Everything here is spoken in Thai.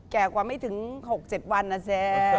แก่กว่าไม่ถึง๖๗วันอ่ะแซ่